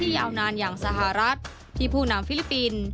ยาวนานอย่างสหรัฐที่ผู้นำฟิลิปปินส์